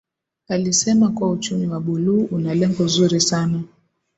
Alisema kuwa Uchumi wa Buluu una lengo zuri sana